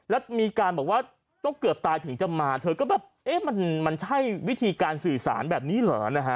แล้วมีการบอกว่าก็เกือบตายถึงจะมาเธอก็แบบเอ๊ะมันใช่วิธีการสื่อสารแบบนี้เหรอนะฮะ